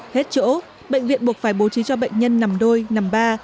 hết chỗ bệnh viện buộc phải bố trí cho bệnh nhân nằm đôi nằm ba